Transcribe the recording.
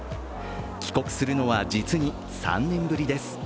帰国するのは実に３年ぶりです。